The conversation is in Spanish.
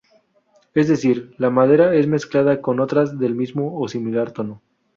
Es decir, la madera es mezclada con otras del mismo o similar tono.